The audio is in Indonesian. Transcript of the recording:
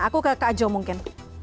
aku ke kak jo mungkin